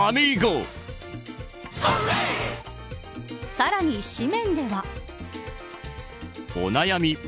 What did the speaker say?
さらに誌面では。